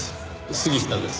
杉下です。